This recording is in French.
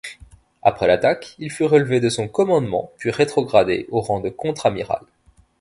Après l'attaque, il fut relevé de son commandement, puis rétrogradé au rang de contre-amiral.